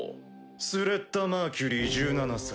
スレッタ・マーキュリー１７歳。